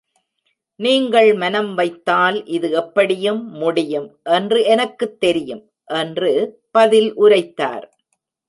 நீங்கள் மனம் வைத்தால் இது எப்படியும் முடியும் என்று எனக்குத் தெரியும்! என்று பதில் உரைத்தார்.